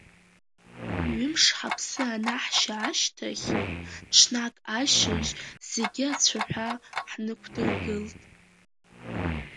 Ҩымыш ҳаԥсы анаҳшьа ашьҭахь, ҽнак ашьыжь зегьы ацәаҳәа ҳнықәдыргылт.